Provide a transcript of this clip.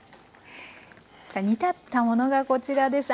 煮立ったものがこちらです。